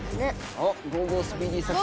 おっゴーゴースピーディー作戦。